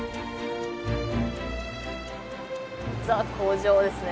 ザ工場ですね。